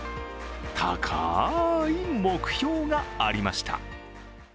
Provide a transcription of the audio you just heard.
高い目標がありました。